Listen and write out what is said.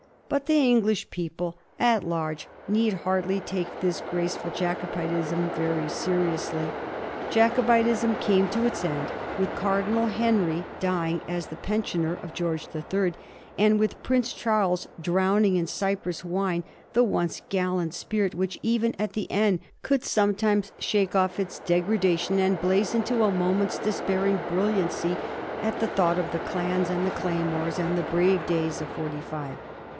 But the English people at large need hardly take this graceful Jacobitism very seriously. Jacobitism came to its end with Cardinal Henry dying as the pensioner of George the Third, and with Prince Charles drowning in Cyprus wine the once gallant spirit which, even at the end, could sometimes shake off its degradation, and blaze into a mementos de spairing brilliancy, at the thought of the Clans and the Claymores, and the brave days of Forty five.